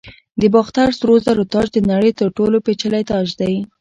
د باختر سرو زرو تاج د نړۍ تر ټولو پیچلی تاج دی